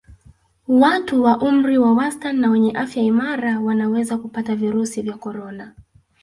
Watu wa umri wa wastani na wenye afya imara wanaweza kupata virusi vya Corona